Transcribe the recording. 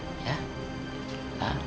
ke rumah sakit ya